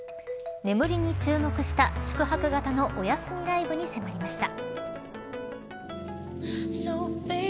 眠りに注目した宿泊型のおやすみライブに迫りました。